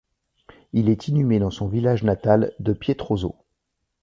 Il est inhumé dans son village natal de Pietroso.